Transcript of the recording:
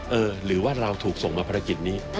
หรือว่าเราถูกส่งมาภารกิจนี้